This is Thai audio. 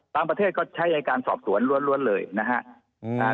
ประเทศก็ใช้อายการสอบสวนล้วนเลยนะครับ